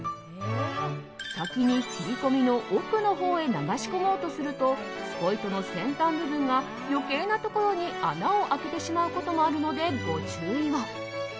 先に切り込みの奥のほうへ流し込もうとするとスポイトの先端部分が余計なところに穴を開けてしまうこともあるのでご注意を。